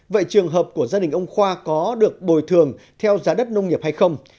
vậy trường hợp của gia đình ông khoa có được bồi thường theo giá đất nông nghiệp hay không